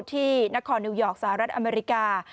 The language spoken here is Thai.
ที่นครนิวยอร์กสหรัฐอเมริกา